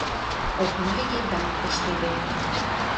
Окна еда коштеден